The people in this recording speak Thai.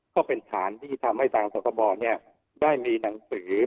ก็เป็นฐานที่ทำให้ทางสคบได้มีหนังสือ